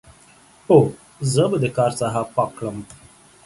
هو، زه به د کار ساحه پاک کړم.